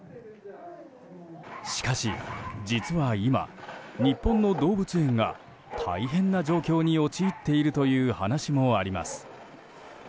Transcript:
しかし実は今、日本の動物園が大変な状況に陥っているという話もあります。